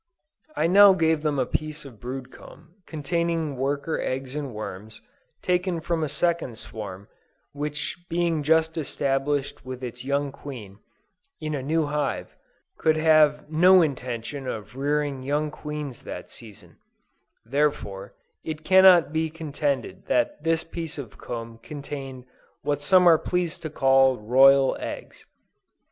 I now gave them a piece of brood comb, containing worker eggs and worms, taken from a second swarm which being just established with its young queen, in a new hive, could have no intention of rearing young queens that season; therefore, it cannot be contended that this piece of comb contained what some are pleased to call "royal eggs."